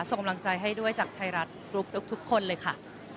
ส่งกำลังใจให้ด้วยจากไทยรัฐกรุ๊ปทุกคนเลยค่ะ